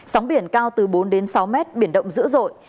sóng biển cao từ bốn đến sáu mét biển động dữ dội